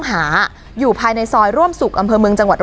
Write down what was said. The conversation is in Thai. สลับผัดเปลี่ยนกันงมค้นหาต่อเนื่อง๑๐ชั่วโมงด้วยกัน